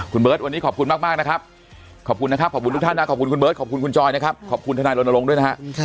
คุณเบิร์ตวันนี้ขอบคุณมากนะครับขอบคุณนะครับขอบคุณทุกท่านนะขอบคุณคุณเบิร์ตขอบคุณคุณจอยนะครับขอบคุณทนายรณรงค์ด้วยนะฮะ